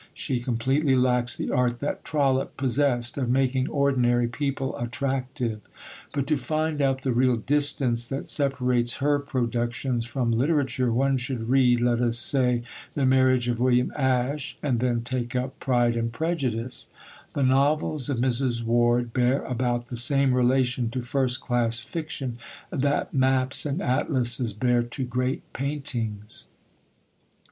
She completely lacks the art that Trollope possessed, of making ordinary people attractive. But to find out the real distance that separates her productions from literature, one should read, let us say, The Marriage of William Ashe and then take up Pride and Prejudice. The novels of Mrs. Ward bear about the same relation to first class fiction that maps and atlases bear to great paintings.